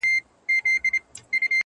ژونده د څو انجونو يار يم؛ راته ووايه نو؛